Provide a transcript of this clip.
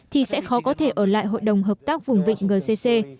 thì sẽ khó có thể ở lại hội đồng hợp tác vùng vịnh gcc